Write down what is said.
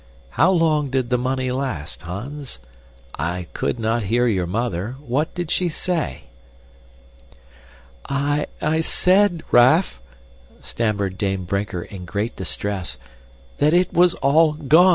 How long did the money last, Hans? I could not hear your mother. What did she say?" "I said, Raff," stammered Dame Brinker in great distress, "that it was all gone."